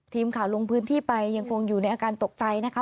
ทีมข่าวลงพื้นที่ไปยังคงอยู่ในอาการตกใจนะคะ